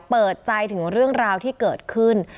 เปิดใจถึงเรื่องราวที่เกิดขึ้น